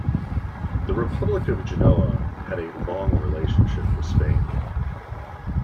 The Republic of Genoa had a long relationship with Spain.